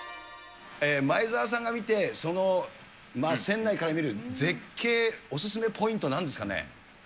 前澤さんが見て、その船内から見る絶景、お勧めポイント、なんですかね？